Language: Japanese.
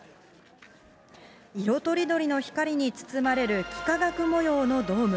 色とりどりの光に包まれる幾何学模様のドーム。